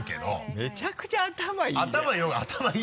めちゃくちゃ頭いいじゃん。